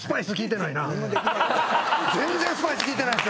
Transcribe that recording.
全然スパイス効いてない。